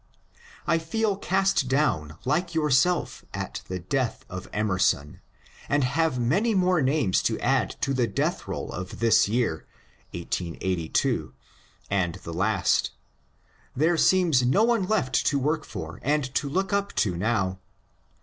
I feel cast down like yourself [at the death of Emerson], and have many more names to add to the death roll of this year and the last. There seems no one left to work for and to look up to now.